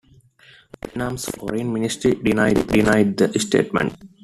Vietnam's foreign ministry denied the statement.